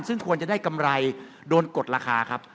ซึ่งควรจะได้กำไรโดนกดราคาครับ